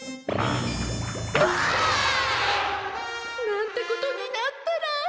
うわ！なんてことになったら！